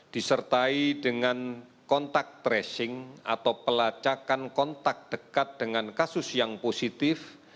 disertai dengan kontak tracing atau pelacakan kontak dekat dengan kasus yang positif